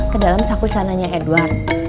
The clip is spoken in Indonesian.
kedalam sakul sananya edward